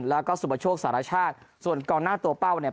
แล้วก็สุปโชคสารชาติส่วนกองหน้าตัวเป้าเนี่ย